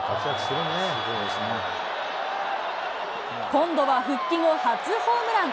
今度は復帰後初ホームラン。